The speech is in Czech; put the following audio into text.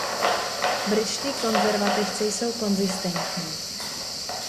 Britští konzervativci jsou konzistentní.